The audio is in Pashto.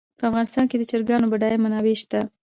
په افغانستان کې د چرګانو بډایه منابع شته.